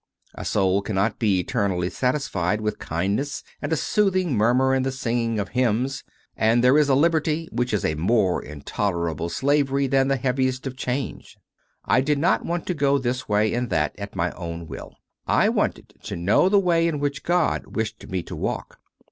A soul cannot be eternally satisfied with kindness and a soothing murmur and the singing of hymns, and there is a liberty which is a more intolerable slavery than the heaviest of chains. I did not want to go this way and that at my own will: I wanted to know the way hi which God wished me to walk.